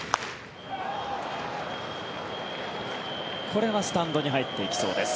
これはスタンドに入っていきそうです。